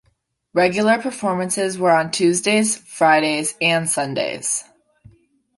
Regular performances were on Tuesdays, Fridays, and Sundays.